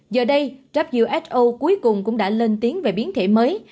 giờ đây who cuối cùng cũng đã lên tiếng về biến thể mới